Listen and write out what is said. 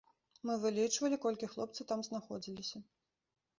Мы вылічвалі, колькі хлопцы там знаходзіліся.